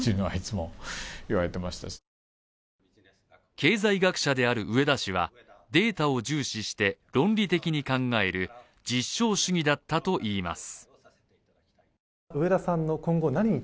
経済学者である植田氏はデータを重視して論理的に考える実証主義だったといいます。